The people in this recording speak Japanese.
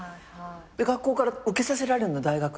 で学校から受けさせられるの大学。